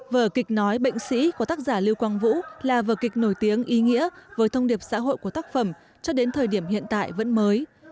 vở kịch nói bệnh sĩ của tác giả lưu quang vũ là vở kịch nổi tiếng ý nghĩa với thông điệp xã hội của tác phẩm cho đến thời điểm hiện tại vẫn mới